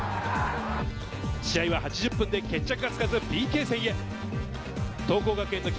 試合は８０分で決着がつかずＰＫ戦へ。